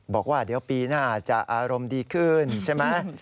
บอกว่าเดี๋ยวปีหน้าจะอารมณ์ดีขึ้นใช่ไหม